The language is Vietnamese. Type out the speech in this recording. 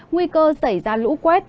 nguy cơ xảy ra lũ quét